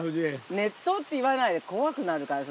熱湯って言わないで、怖くなるから。